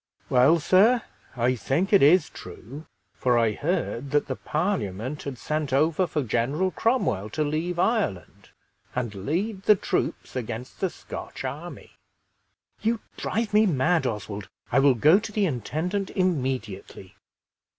"Well, sir, I think it is true, for I heard that the Parliament had sent over for General Cromwell to leave Ireland, and lead the troops against the Scotch army." "You drive me mad, Oswald! I will go to the intendant immediately!"